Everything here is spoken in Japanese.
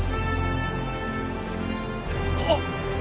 あっ。